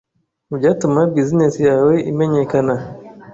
mu byatuma business yawe imenyekana.